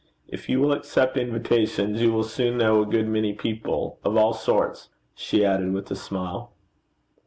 If you will accept invitations, you will soon know a good many people of all sorts,' she added with a smile.